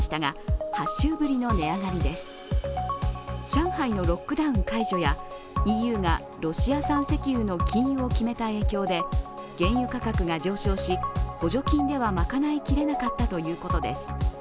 上海のロックダウンの解除やＥＵがロシア産石油の禁輸を決めた影響で、原油価格が上昇し、補助金では賄いきれなかったということです。